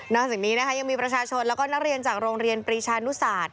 จากนี้นะคะยังมีประชาชนแล้วก็นักเรียนจากโรงเรียนปรีชานุศาสตร์